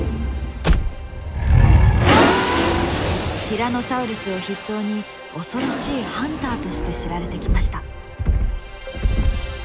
ティラノサウルスを筆頭に恐ろしいハンターとして知られてきました。